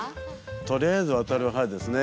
とりあえずわたる派ですね。